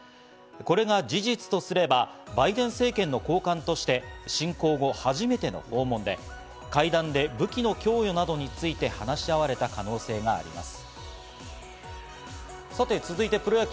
これが事実とすれば、バイデン政権の高官として侵攻後、初めての訪問で会談で武器の供与などについて話し合われた可能性があります。